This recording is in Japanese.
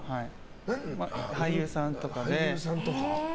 俳優さんとかで。